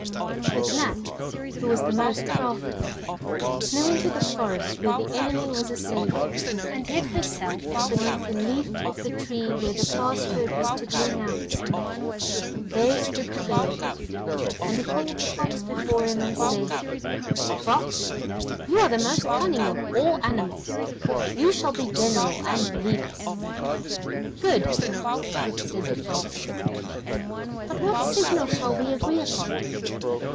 The gnat, who was the most crafty, flew into the forest where the enemy was assembled, and hid herself beneath a leaf of the tree where the password was to be announced. There stood the bear, and he called the fox before him and said: 'Fox, you are the most cunning of all animals, you shall be general and lead us.' 'Good,' said the fox, 'but what signal shall we agree upon?